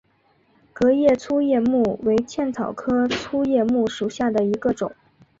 革叶粗叶木为茜草科粗叶木属下的一个种。